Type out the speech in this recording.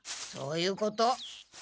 そういうこと。